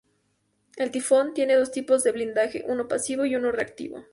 El Tifón tiene dos tipos de blindaje, uno Pasivo y uno Reactivo.